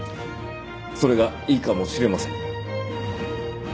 それがいいかもしれません。